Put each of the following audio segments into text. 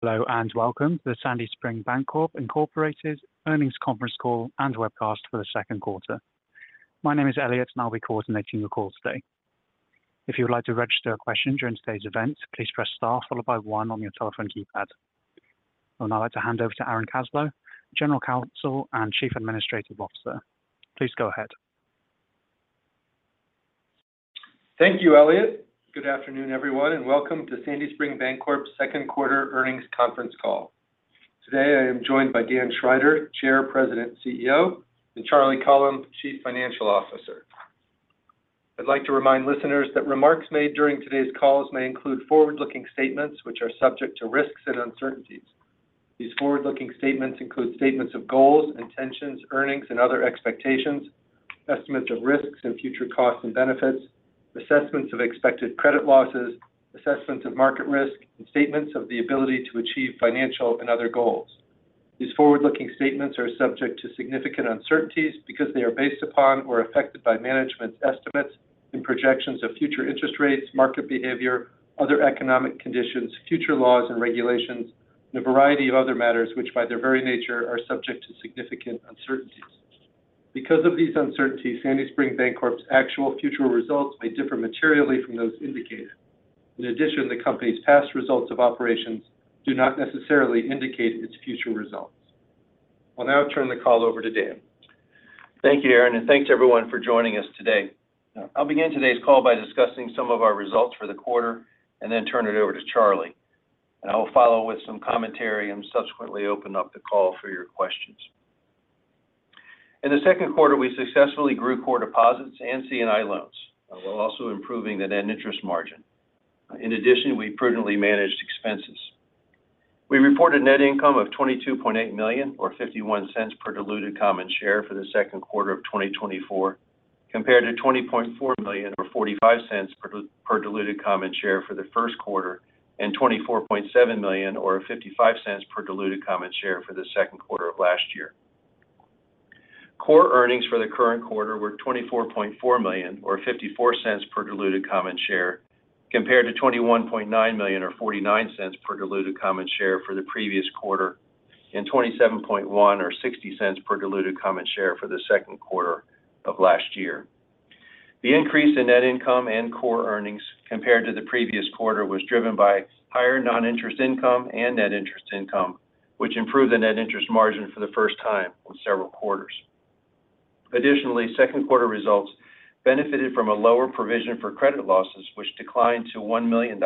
Hello, and welcome to the Sandy Spring Bancorp Incorporated Earnings Conference Call and Webcast for the second quarter. My name is Elliot, and I'll be coordinating the call today. If you would like to register a question during today's event, please press star followed by one on your telephone keypad. I would now like to hand over to Aaron Kaslow, General Counsel and Chief Administrative Officer. Please go ahead. Thank you, Elliot. Good afternoon, everyone, and welcome to Sandy Spring Bancorp's second quarter earnings conference call. Today, I am joined by Dan Schrider, Chair, President, CEO, and Charlie Cullum, Chief Financial Officer. I'd like to remind listeners that remarks made during today's calls may include forward-looking statements which are subject to risks and uncertainties. These forward-looking statements include statements of goals, intentions, earnings, and other expectations, estimates of risks and future costs and benefits, assessments of expected credit losses, assessments of market risk, and statements of the ability to achieve financial and other goals. These forward-looking statements are subject to significant uncertainties because they are based upon or affected by management's estimates and projections of future interest rates, market behavior, other economic conditions, future laws and regulations, and a variety of other matters which, by their very nature, are subject to significant uncertainties. Because of these uncertainties, Sandy Spring Bancorp's actual future results may differ materially from those indicated. In addition, the company's past results of operations do not necessarily indicate its future results. I'll now turn the call over to Dan. Thank you, Aaron, and thanks to everyone for joining us today. I'll begin today's call by discussing some of our results for the quarter and then turn it over to Charlie. I will follow with some commentary and subsequently open up the call for your questions. In the second quarter, we successfully grew core deposits and C&I loans, while also improving the net interest margin. In addition, we prudently managed expenses. We reported net income of $22.8 million, or $0.51 per diluted common share for the second quarter of 2024, compared to $20.4 million or $0.45 per diluted common share for the first quarter, and $24.7 million or $0.55 per diluted common share for the second quarter of last year. Core earnings for the current quarter were $24.4 million or $0.54 per diluted common share, compared to $21.9 million or $0.49 per diluted common share for the previous quarter, and $27.1 million or $0.60 per diluted common share for the second quarter of last year. The increase in net income and core earnings compared to the previous quarter was driven by higher non-interest income and net interest income, which improved the net interest margin for the first time in several quarters. Additionally, second quarter results benefited from a lower provision for credit losses, which declined to $1 million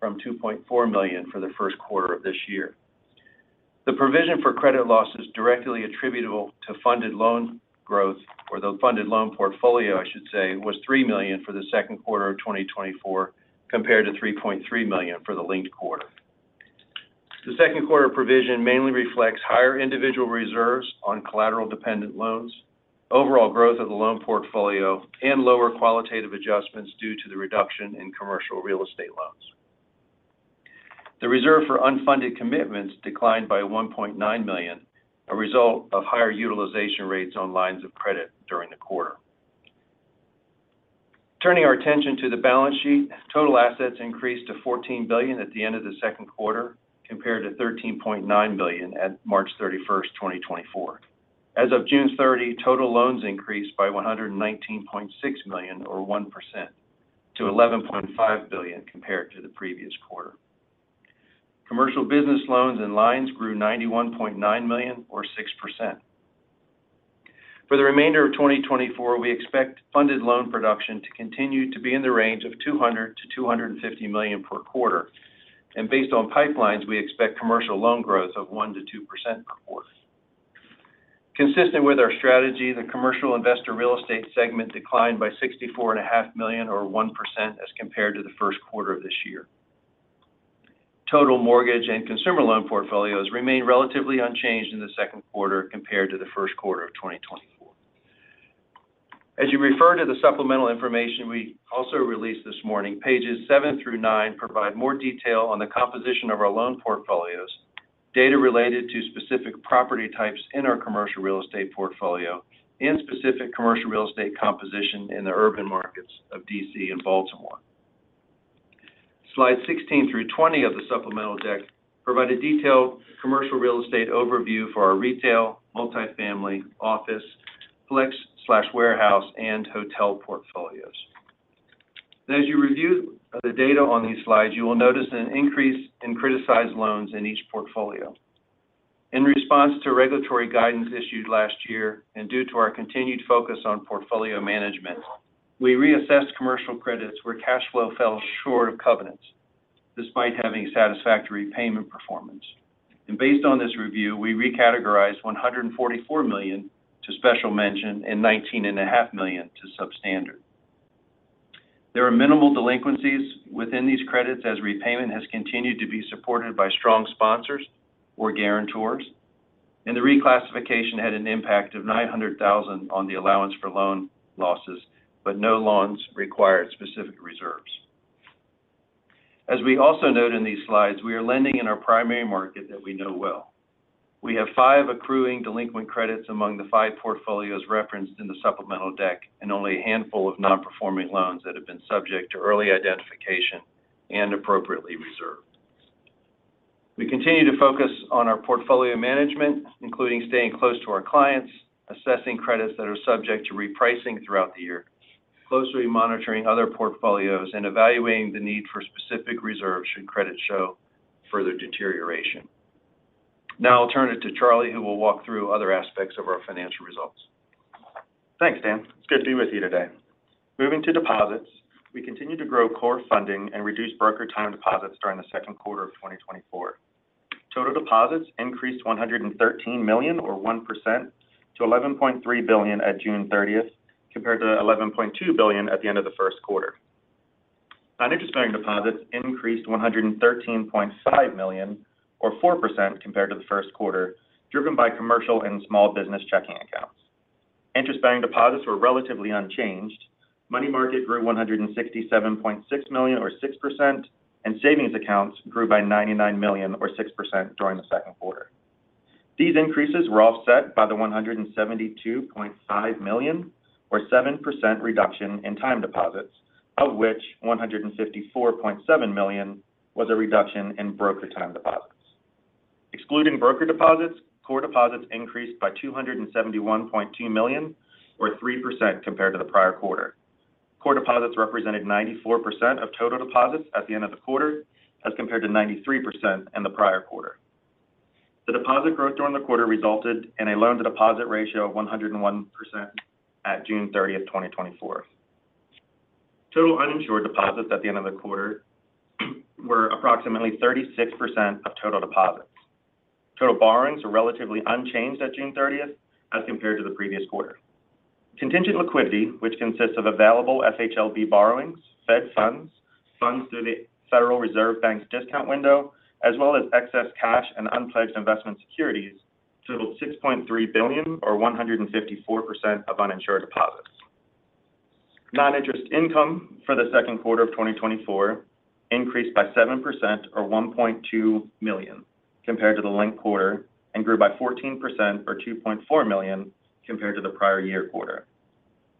from $2.4 million for the first quarter of this year. The provision for credit losses directly attributable to funded loan growth or the funded loan portfolio, I should say, was $3 million for the second quarter of 2024, compared to $3.3 million for the linked quarter. The second quarter provision mainly reflects higher individual reserves on collateral-dependent loans, overall growth of the loan portfolio, and lower qualitative adjustments due to the reduction in commercial real estate loans. The reserve for unfunded commitments declined by $1.9 million, a result of higher utilization rates on lines of credit during the quarter. Turning our attention to the balance sheet, total assets increased to $14 billion at the end of the second quarter, compared to $13.9 billion at March 31st, 2024. As of June 30, total loans increased by $119.6 million, or 1%, to $11.5 billion compared to the previous quarter. Commercial business loans and lines grew $91.9 million or 6%. For the remainder of 2024, we expect funded loan production to continue to be in the range of $200 million-$250 million per quarter, and based on pipelines, we expect commercial loan growth of 1%-2% per quarter. Consistent with our strategy, the commercial investor real estate segment declined by $64.5 million or 1% as compared to the first quarter of this year. Total mortgage and consumer loan portfolios remained relatively unchanged in the second quarter compared to the first quarter of 2024. As you refer to the supplemental information we also released this morning, pages seven through nine provide more detail on the composition of our loan portfolios, data related to specific property types in our commercial real estate portfolio, and specific commercial real estate composition in the urban markets of D.C. and Baltimore. Slide 16 through 20 of the supplemental deck provide a detailed commercial real estate overview for our retail, multifamily, office, flex/warehouse, and hotel portfolios. As you review the data on these slides, you will notice an increase in criticized loans in each portfolio. In response to regulatory guidance issued last year, and due to our continued focus on portfolio management, we reassessed commercial credits where cash flow fell short of covenants, despite having satisfactory payment performance. Based on this review, we recategorized $144 million to special mention and $19.5 million to substandard. There are minimal delinquencies within these credits, as repayment has continued to be supported by strong sponsors or guarantors, and the reclassification had an impact of $900,000 on the allowance for loan losses, but no loans required specific reserves. As we also note in these slides, we are lending in our primary market that we know well. We have five accruing delinquent credits among the five portfolios referenced in the supplemental deck and only a handful of non-performing loans that have been subject to early identification and appropriately reserved. We continue to focus on our portfolio management, including staying close to our clients, assessing credits that are subject to repricing throughout the year, closely monitoring other portfolios, and evaluating the need for specific reserves should credit show further deterioration. Now I'll turn it to Charlie, who will walk through other aspects of our financial results. Thanks, Dan. It's good to be with you today. Moving to deposits, we continue to grow core funding and reduce brokered time deposits during the second quarter of 2024. Total deposits increased $113 million, or 1%, to $11.3 billion at June 30th, compared to $11.2 billion at the end of the first quarter. Non-interest bearing deposits increased $113.5 million, or 4% compared to the first quarter, driven by commercial and small business checking accounts. Interest bearing deposits were relatively unchanged. Money market grew $167.6 million, or 6%, and savings accounts grew by $99 million, or 6% during the second quarter. These increases were offset by the $172.5 million, or 7% reduction in time deposits, of which $154.7 million was a reduction in brokered time deposits. Excluding brokered deposits, core deposits increased by $271.2 million, or 3% compared to the prior quarter. Core deposits represented 94% of total deposits at the end of the quarter, as compared to 93% in the prior quarter. The deposit growth during the quarter resulted in a loan-to-deposit ratio of 101% at June 30th, 2024. Total uninsured deposits at the end of the quarter were approximately 36% of total deposits. Total borrowings were relatively unchanged at June 30th as compared to the previous quarter. Contingent liquidity, which consists of available FHLB borrowings, Fed funds, funds through the Federal Reserve Bank's discount window, as well as excess cash and unpledged investment securities, totaled $6.3 billion, or 154% of uninsured deposits. Non-interest income for the second quarter of 2024 increased by 7% or $1.2 million compared to the linked quarter and grew by 14% or $2.4 million compared to the prior year quarter.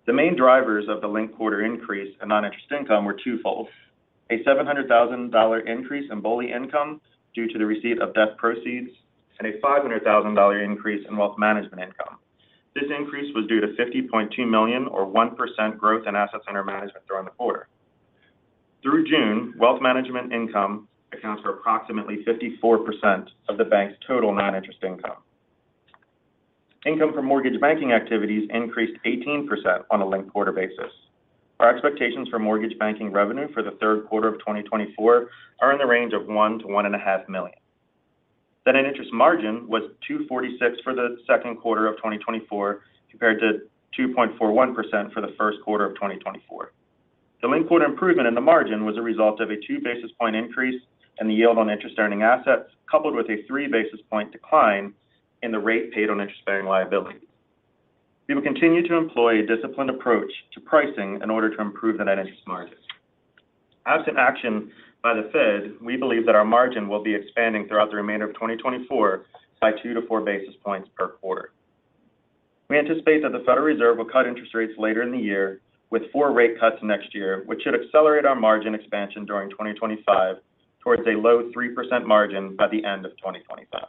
The main drivers of the linked quarter increase in non-interest income were twofold: a $700,000 increase in BOLI income due to the receipt of death proceeds and a $500,000 increase in wealth management income. This increase was due to $50.2 million, or 1% growth in assets under management during the quarter. Through June, wealth management income accounts for approximately 54% of the bank's total non-interest income. Income from mortgage banking activities increased 18% on a linked quarter basis. Our expectations for mortgage banking revenue for the third quarter of 2024 are in the range of $1 million-$1.5 million. Net interest margin was 2.46% for the second quarter of 2024, compared to 2.41% for the first quarter of 2024. The linked quarter improvement in the margin was a result of a 2 basis point increase in the yield on interest-earning assets, coupled with a 3 basis point decline in the rate paid on interest-bearing liability. We will continue to employ a disciplined approach to pricing in order to improve the net interest margin. Absent action by the Fed, we believe that our margin will be expanding throughout the remainder of 2024 by 2-4 basis points per quarter. We anticipate that the Federal Reserve will cut interest rates later in the year with 4 rate cuts next year, which should accelerate our margin expansion during 2025 towards a low 3% margin by the end of 2025.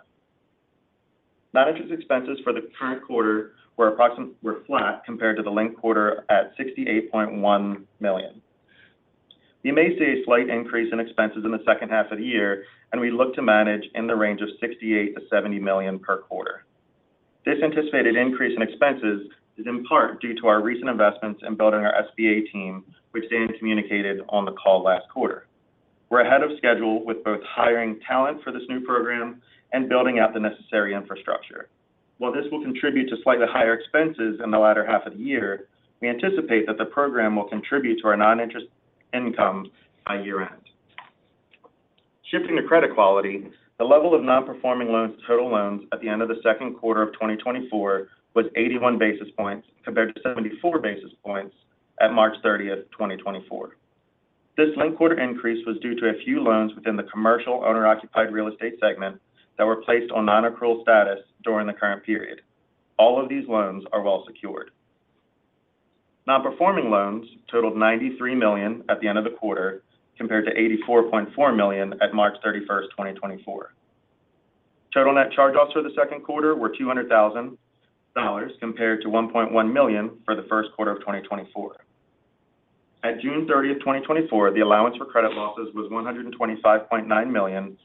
Non-interest expenses for the current quarter were flat compared to the linked quarter at $68.1 million. You may see a slight increase in expenses in the second half of the year, and we look to manage in the range of $68 million-$70 million per quarter. This anticipated increase in expenses is in part due to our recent investments in building our SBA team, which Dan communicated on the call last quarter. We're ahead of schedule with both hiring talent for this new program and building out the necessary infrastructure. While this will contribute to slightly higher expenses in the latter half of the year, we anticipate that the program will contribute to our non-interest income by year-end. Shifting to credit quality, the level of non-performing loans to total loans at the end of the second quarter of 2024 was 81 basis points, compared to 74 basis points at March 30, 2024. This one-quarter increase was due to a few loans within the owner-occupied commercial real estate segment that were placed on non-accrual status during the current period. All of these loans are well secured. Non-performing loans totaled $93 million at the end of the quarter, compared to $84.4 million at March 31, 2024. Total net charge-offs for the second quarter were $200,000, compared to $1.1 million for the first quarter of 2024. At June 30, 2024, the allowance for credit losses was $125.9 million,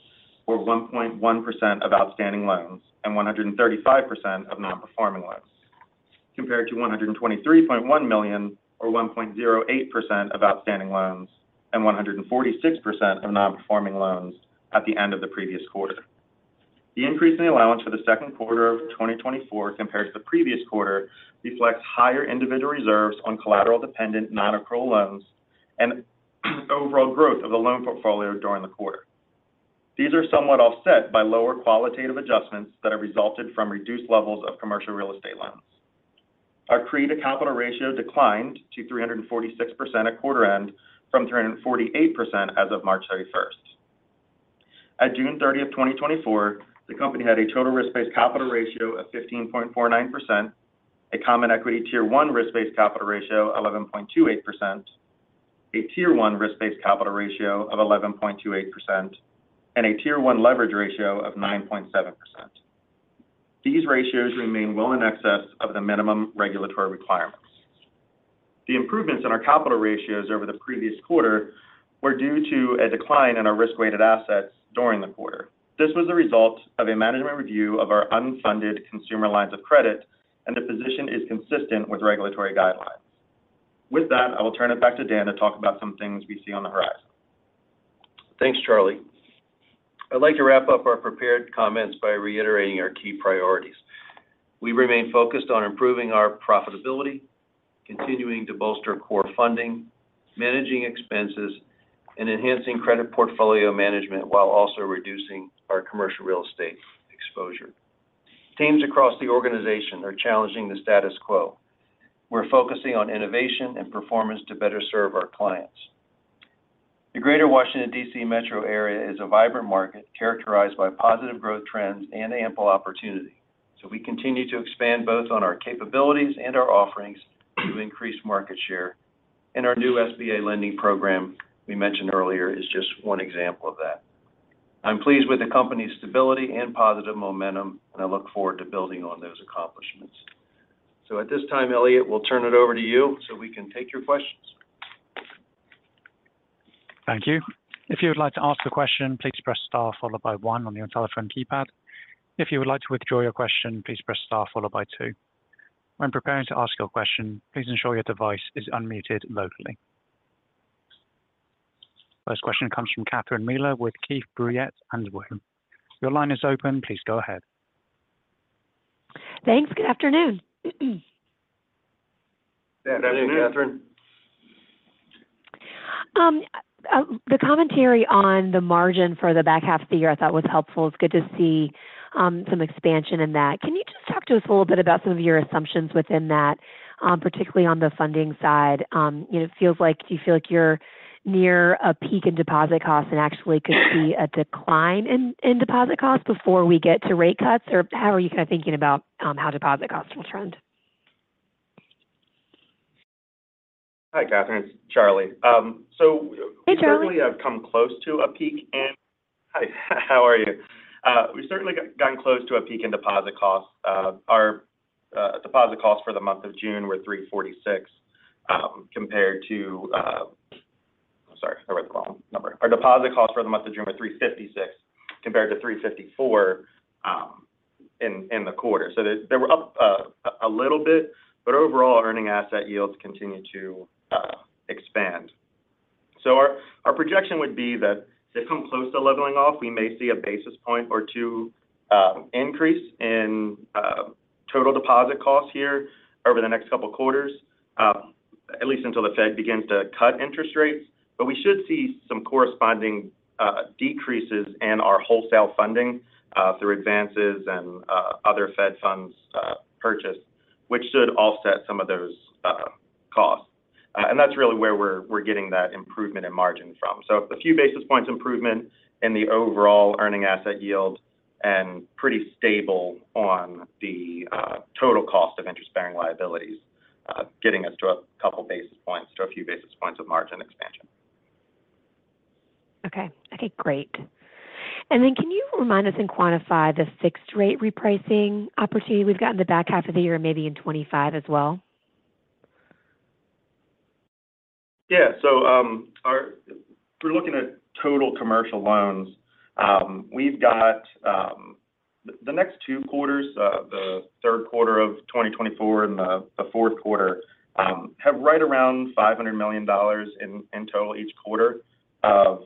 or 1.1% of outstanding loans, and 135% of non-performing loans, compared to $123.1 million, or 1.08% of outstanding loans, and 146% of non-performing loans at the end of the previous quarter. The increase in the allowance for the second quarter of 2024 compared to the previous quarter reflects higher individual reserves on collateral-dependent non-accrual loans and overall growth of the loan portfolio during the quarter. These are somewhat offset by lower qualitative adjustments that have resulted from reduced levels of commercial real estate loans. Our CRE-to-capital ratio declined to 346% at quarter end from 348% as of March 31. At June 30, 2024, the company had a total risk-based capital ratio of 15.49%, a Common Equity Tier 1 risk-based capital ratio of 11.28%, a Tier 1 risk-based capital ratio of 11.28%, and a Tier 1 leverage ratio of 9.7%. These ratios remain well in excess of the minimum regulatory requirements. The improvements in our capital ratios over the previous quarter were due to a decline in our risk-weighted assets during the quarter. This was a result of a management review of our unfunded consumer lines of credit, and the position is consistent with regulatory guidelines. With that, I will turn it back to Dan to talk about some things we see on the horizon. Thanks, Charlie. I'd like to wrap up our prepared comments by reiterating our key priorities. We remain focused on improving our profitability, continuing to bolster core funding, managing expenses, and enhancing credit portfolio management while also reducing our commercial real estate exposure. Teams across the organization are challenging the status quo. We're focusing on innovation and performance to better serve our clients. The Greater Washington, D.C. metro area is a vibrant market characterized by positive growth trends and ample opportunity. So we continue to expand both on our capabilities and our offerings to increase market share, and our new SBA lending program we mentioned earlier is just one example of that. I'm pleased with the company's stability and positive momentum, and I look forward to building on those accomplishments. So at this time, Elliot, we'll turn it over to you, so we can take your questions. Thank you. If you would like to ask a question, please press star followed by one on your telephone keypad. If you would like to withdraw your question, please press star followed by two. When preparing to ask your question, please ensure your device is unmuted locally. First question comes from Catherine Mealor with Keefe, Bruyette & Woods. Your line is open. Please go ahead. Thanks. Good afternoon. Good afternoon, Catherine. The commentary on the margin for the back half of the year I thought was helpful. It's good to see some expansion in that. Can you just talk to us a little bit about some of your assumptions within that, particularly on the funding side? It feels like you feel like you're near a peak in deposit costs and actually could see a decline in deposit costs before we get to rate cuts, or how are you kind of thinking about how deposit costs will trend? Hi, Catherine. It's Charlie. Hey, Charlie. We certainly have come close to a peak and. Hi, how are you? We've certainly gotten close to a peak in deposit costs. Our deposit costs for the month of June were 3.46, compared to. Sorry, I read the wrong number. Our deposit costs for the month of June were 3.56, compared to 3.54 in the quarter. So they were up a little bit, but overall, our earning asset yields continue to expand. So our projection would be that they come close to leveling off. We may see 1 basis point or 2 increase in total deposit costs here over the next couple of quarters, at least until the Fed begins to cut interest rates. But we should see some corresponding decreases in our wholesale funding through advances and other Fed funds purchase, which should offset some of those costs. And that's really where we're getting that improvement in margin from. So a few basis points improvement in the overall earning asset yield and pretty stable on the total cost of interest-bearing liabilities, getting us to a couple basis points to a few basis points of margin expansion. Okay. Okay, great. And then can you remind us and quantify the fixed rate repricing opportunity we've got in the back half of the year and maybe in 2025 as well? Yeah. So, our – if we're looking at total commercial loans, we've got the next two quarters, the third quarter of 2024 and the fourth quarter, have right around $500 million in total each quarter of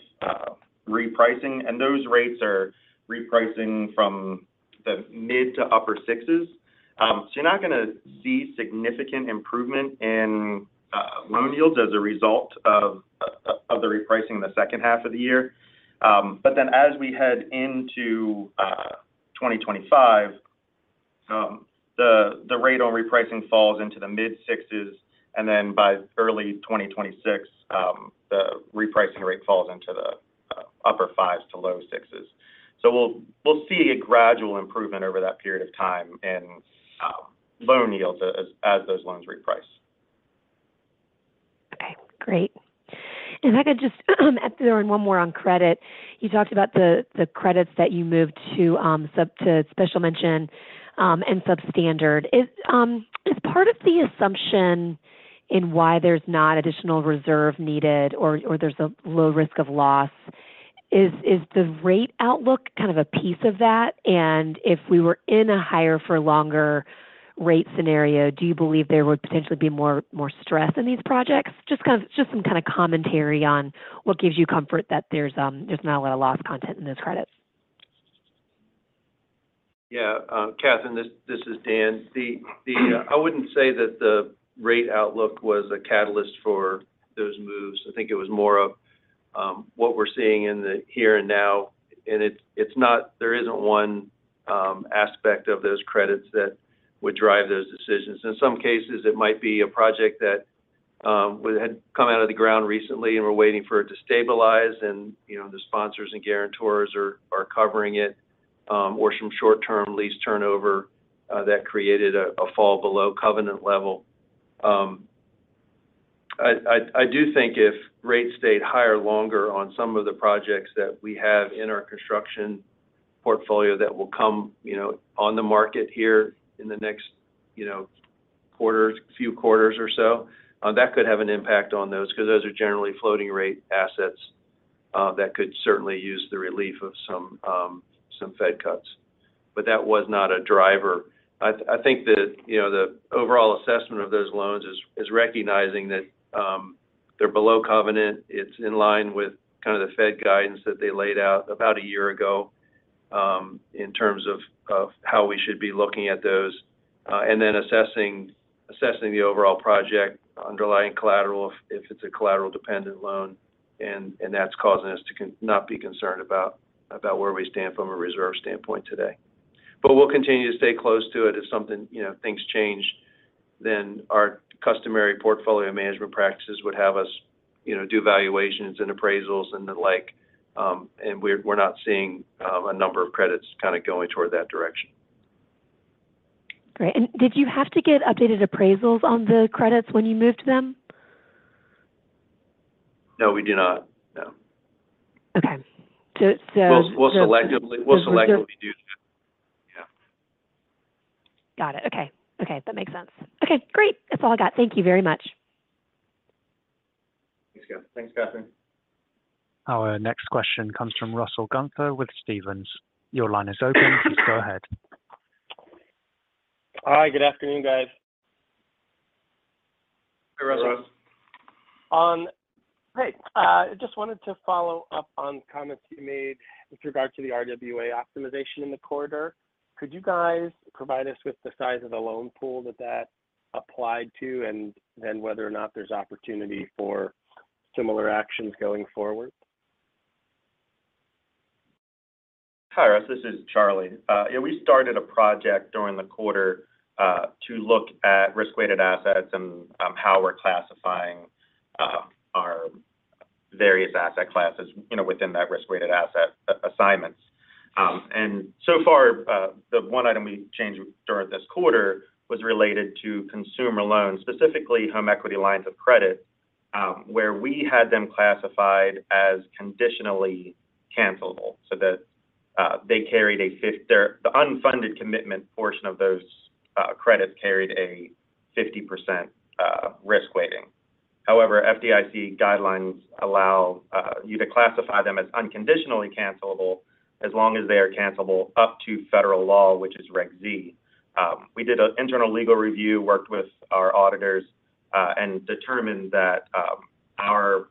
repricing, and those rates are repricing from the mid to upper sixes. So you're not gonna see significant improvement in loan yields as a result of the repricing in the second half of the year. But then as we head into 2025, the rate on repricing falls into the mid sixes, and then by early 2026, the repricing rate falls into the upper fives to low sixes. So we'll see a gradual improvement over that period of time in loan yields as those loans reprice. Okay, great. And if I could just add one more on credit. You talked about the credits that you moved to special mention and substandard. Is part of the assumption in why there's not additional reserve needed or there's a low risk of loss, is the rate outlook kind of a piece of that? And if we were in a higher for longer rate scenario, do you believe there would potentially be more stress in these projects? Just some kind of commentary on what gives you comfort that there's not a lot of loss content in those credits. Yeah, Catherine, this is Dan. I wouldn't say that the rate outlook was a catalyst for those moves. I think it was more of what we're seeing in the here and now, and it's not. There isn't one aspect of those credits that would drive those decisions. In some cases, it might be a project that had come out of the ground recently, and we're waiting for it to stabilize, and, you know, the sponsors and guarantors are covering it, or some short-term lease turnover that created a fall below covenant level. I do think if rates stay higher longer on some of the projects that we have in our construction portfolio that will come, you know, on the market here in the next, you know, quarter, few quarters or so, that could have an impact on those, 'cause those are generally floating-rate assets that could certainly use the relief of some Fed cuts. But that was not a driver. I think that, you know, the overall assessment of those loans is recognizing that they're below covenant. It's in line with kind of the Fed guidance that they laid out about a year ago, in terms of how we should be looking at those, and then assessing the overall project, underlying collateral, if it's a collateral-dependent loan, and that's causing us to not be concerned about where we stand from a reserve standpoint today. But we'll continue to stay close to it. If something, you know, things change, then our customary portfolio management practices would have us, you know, do valuations and appraisals and the like, and we're not seeing a number of credits kind of going toward that direction. Great. Did you have to get updated appraisals on the credits when you moved them? No, we do not. No. Okay. So, We'll selectively do that. Yeah. Got it. Okay. Okay, that makes sense. Okay, great! That's all I got. Thank you very much. Thanks, Catherine. Our next question comes from Russell Gunther with Stephens. Your line is open. Go ahead. Hi, good afternoon, guys. Hey, Russell. Hey, I just wanted to follow up on comments you made with regard to the RWA optimization in the quarter. Could you guys provide us with the size of the loan pool that that applied to, and then whether or not there's opportunity for similar actions going forward? Hi, Russ, this is Charlie. Yeah, we started a project during the quarter to look at risk-weighted assets and how we're classifying our various asset classes, you know, within that risk-weighted asset assignments. And so far, the one item we changed during this quarter was related to consumer loans, specifically home equity lines of credit, where we had them classified as conditionally cancelable, so that they carried the unfunded commitment portion of those credits carried a 50% risk weighting. However, FDIC guidelines allow you to classify them as unconditionally cancelable as long as they are cancelable up to federal law, which is Reg Z. We did an internal legal review, worked with our auditors, and determined that our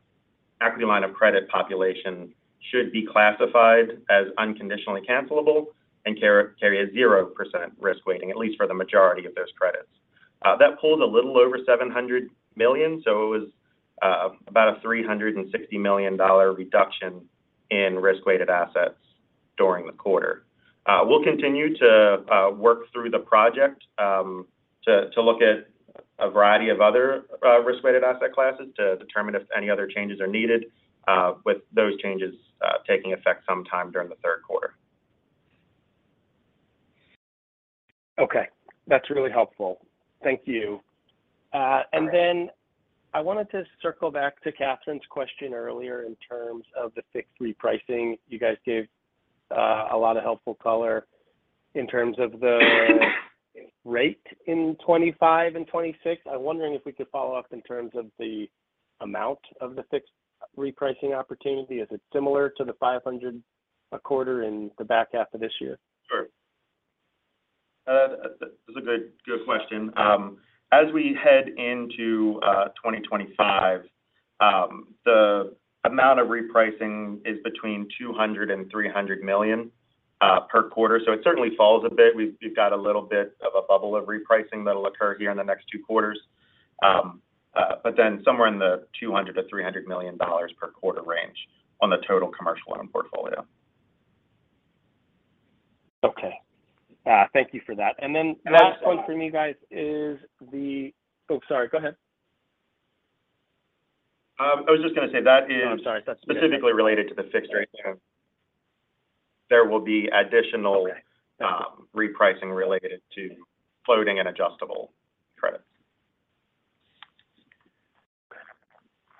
equity line of credit population should be classified as unconditionally cancelable and carry a 0% risk weighting, at least for the majority of those credits. That pooled a little over $700 million, so it was about a $360 million reduction in risk-weighted assets during the quarter. We'll continue to work through the project to look at a variety of other risk-weighted asset classes to determine if any other changes are needed, with those changes taking effect sometime during the third quarter. Okay. That's really helpful. Thank you. And then I wanted to circle back to Catherine's question earlier in terms of the fixed repricing. You guys gave a lot of helpful color in terms of the rate in 2025 and 2026. I'm wondering if we could follow up in terms of the amount of the fixed repricing opportunity. Is it similar to the $500 a quarter in the back half of this year? Sure. That's a good, good question. As we head into 2025, the amount of repricing is between $200 million and $300 million per quarter, so it certainly falls a bit. We've got a little bit of a bubble of repricing that'll occur here in the next two quarters. But then somewhere in the $200 million-$300 million per quarter range on the total commercial loan portfolio. Okay. Thank you for that. And then- Yeah... last one for me, guys, is the-- Oh, sorry, go ahead. I was just going to say, that is- Oh, I'm sorry.... specifically related to the fixed rate. There will be additional- Okay... repricing related to floating and adjustable credits.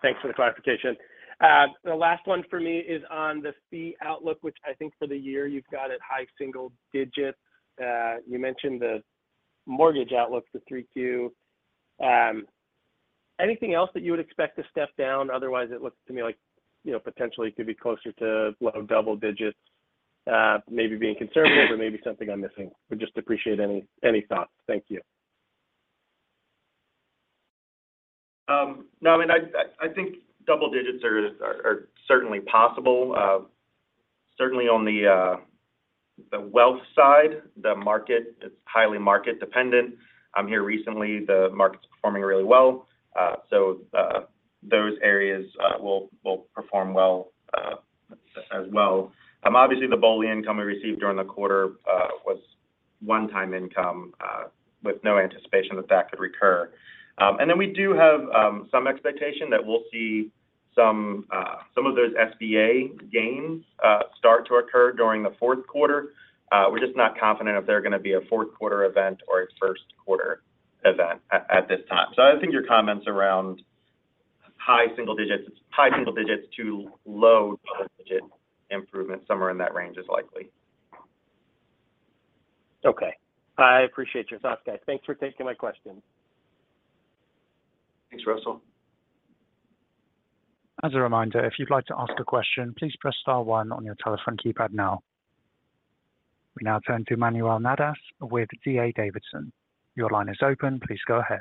Thanks for the clarification. The last one for me is on the fee outlook, which I think for the year, you've got it high single digits. You mentioned the mortgage outlook for 3Q. Anything else that you would expect to step down? Otherwise, it looks to me like, you know, potentially could be closer to low double digits, maybe being conservative or maybe something I'm missing. Would just appreciate any, any thoughts. Thank you. No, I mean, I think double digits are certainly possible. Certainly on the wealth side, the market is highly market dependent. Here recently, the market's performing really well. So, those areas will perform well as well. Obviously, the BOLI income we received during the quarter was one-time income with no anticipation that that could recur. And then we do have some expectation that we'll see some of those SBA gains start to occur during the fourth quarter. We're just not confident if they're gonna be a fourth quarter event or a first quarter event at this time. So I think your comments around high single digits, high single digits to low double-digit improvement, somewhere in that range is likely. Okay. I appreciate your thoughts, guys. Thanks for taking my questions. Thanks, Russell. As a reminder, if you'd like to ask a question, please press star one on your telephone keypad now. We now turn to Manuel Navas with D.A. Davidson. Your line is open. Please go ahead.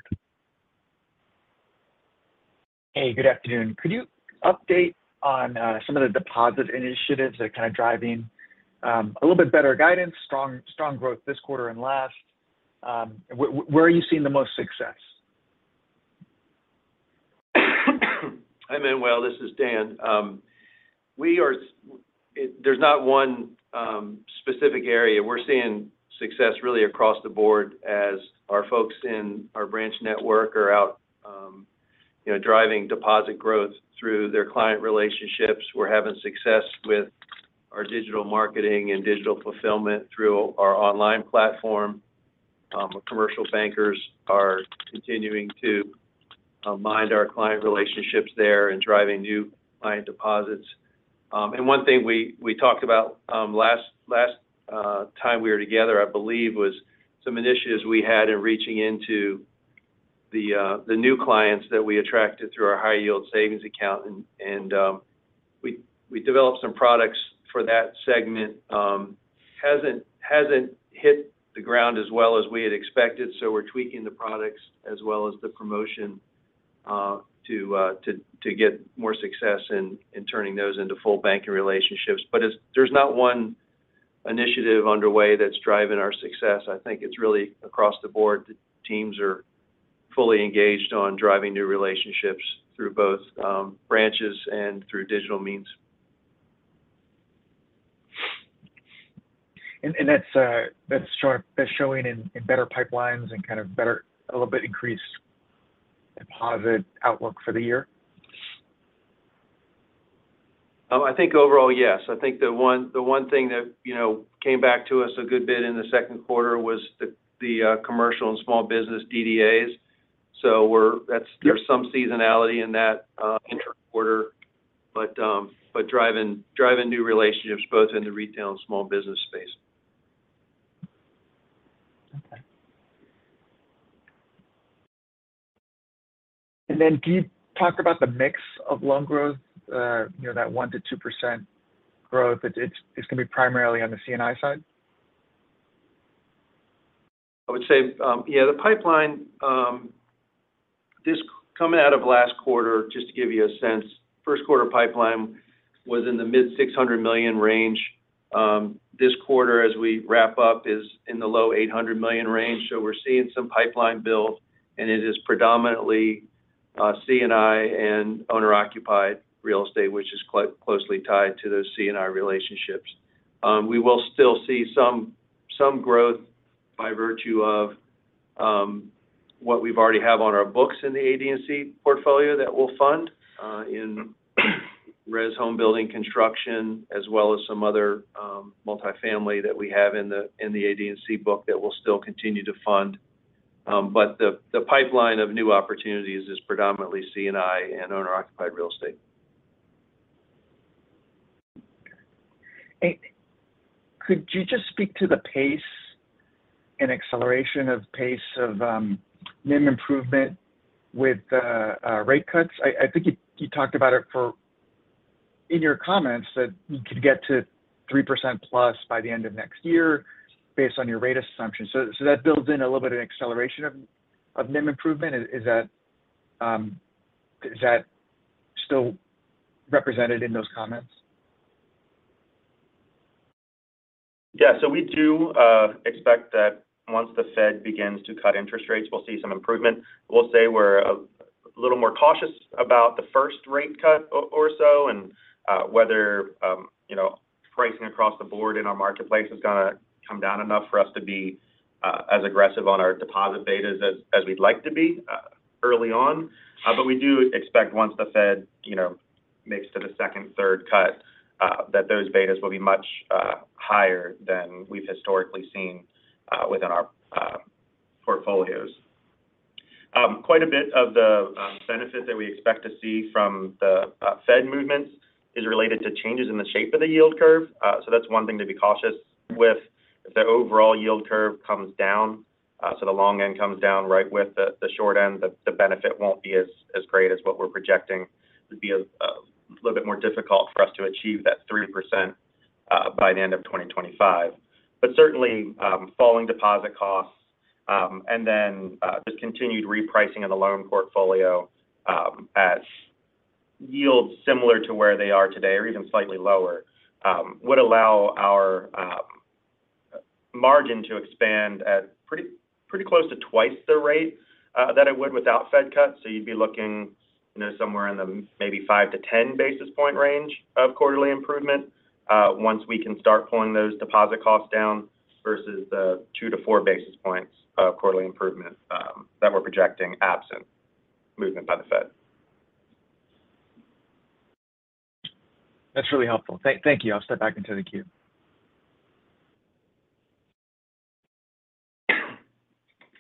Hey, good afternoon. Could you update on some of the deposit initiatives that are kind of driving a little bit better guidance, strong, strong growth this quarter and last? Where are you seeing the most success? Hi, Manuel, this is Dan. There's not one specific area. We're seeing success really across the board as our folks in our branch network are out, you know, driving deposit growth through their client relationships. We're having success with our digital marketing and digital fulfillment through our online platform. Our commercial bankers are continuing to mine our client relationships there and driving new client deposits. And one thing we talked about last time we were together, I believe, was some initiatives we had in reaching into the new clients that we attracted through our high-yield savings account. And we developed some products for that segment. Hasn't hit the ground as well as we had expected, so we're tweaking the products as well as the promotion to get more success in turning those into full banking relationships. But there's not one initiative underway that's driving our success. I think it's really across the board. The teams are fully engaged on driving new relationships through both branches and through digital means. And that's sharp. That's showing in better pipelines and kind of a little bit increased deposit outlook for the year? I think overall, yes. I think the one thing that, you know, came back to us a good bit in the second quarter was the commercial and small business DDAs. So we're-- that's- Yep. There's some seasonality in that inter quarter, but driving new relationships both in the retail and small business space. Okay. And then, can you talk about the mix of loan growth, you know, that 1%-2% growth? It's gonna be primarily on the C&I side? I would say, yeah, the pipeline, this coming out of last quarter, just to give you a sense, first quarter pipeline was in the mid-$600 million range. This quarter, as we wrap up, is in the low $800 million range. So we're seeing some pipeline build, and it is predominantly, C&I and owner-occupied real estate, which is closely tied to those C&I relationships. We will still see some growth by virtue of, what we already have on our books in the AD&C portfolio that we'll fund, in residential home building construction, as well as some other, multifamily that we have in the AD&C book that we'll still continue to fund. But the pipeline of new opportunities is predominantly C&I and owner-occupied real estate. Hey, could you just speak to the pace and acceleration of pace of NIM improvement with the rate cuts? I think you talked about it in your comments that you could get to 3%+ by the end of next year based on your rate assumption. So that builds in a little bit of acceleration of NIM improvement. Is that still represented in those comments? Yeah. So we do expect that once the Fed begins to cut interest rates, we'll see some improvement. We'll say we're a little more cautious about the first rate cut or so, and whether you know, pricing across the board in our marketplace is gonna come down enough for us to be as aggressive on our deposit betas as we'd like to be early on. But we do expect once the Fed you know, makes to the second, third cut that those betas will be much higher than we've historically seen within our portfolios. Quite a bit of the benefit that we expect to see from the Fed movements is related to changes in the shape of the yield curve. So that's one thing to be cautious with. If the overall yield curve comes down, so the long end comes down right with the short end, the benefit won't be as great as what we're projecting. It would be a little bit more difficult for us to achieve that 3% by the end of 2025. But certainly, falling deposit costs, and then just continued repricing of the loan portfolio at yields similar to where they are today, or even slightly lower, would allow our margin to expand at pretty close to twice the rate that it would without Fed cuts. You'd be looking, you know, somewhere in the maybe 5-10 basis point range of quarterly improvement, once we can start pulling those deposit costs down versus the 2-4 basis points of quarterly improvement, that we're projecting absent movement by the Fed. That's really helpful. Thank you. I'll step back into the queue.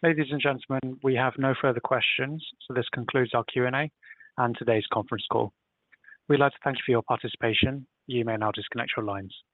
Ladies and gentlemen, we have no further questions, so this concludes our Q&A and today's conference call. We'd like to thank you for your participation. You may now disconnect your lines.